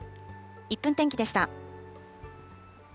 １分天気でした。